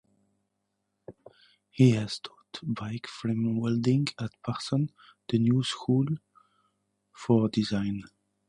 He has taught bike frame welding at Parsons The New School for Design.